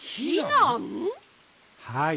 「はい。